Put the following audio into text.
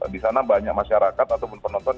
di sana banyak masyarakat ataupun penonton